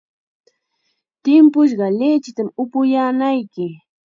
Timpushqa lichitam upuyaanayki.